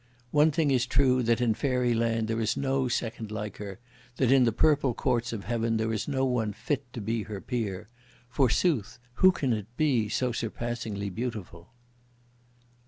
One thing is true that in Fairy land there is no second like her! that in the Purple Courts of Heaven there is no one fit to be her peer! Forsooth, who can it be, so surpassingly beautiful!